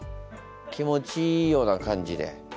気持ちいいような感じで。